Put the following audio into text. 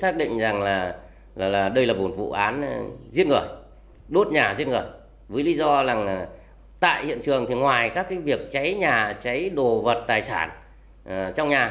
tại hiện trường ngoài các việc cháy nhà cháy đồ vật tài sản trong nhà